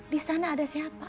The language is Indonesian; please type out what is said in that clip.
di sana ada siapa